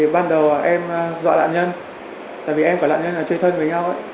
ban đầu em dọa nạn nhân tại vì em và nạn nhân là chơi thân với nhau